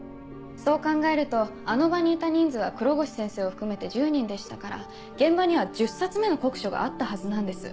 そう考えるとあの場にいた人数は黒越先生を含めて１０人でしたから現場には１０冊目の黒書があったはずなんです。